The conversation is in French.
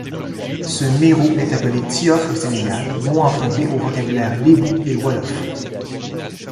Ce mérou est appelé thiof au Sénégal, mot emprunté au vocabulaire lébou et wolof.